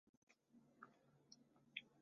城市机场客运大楼车站。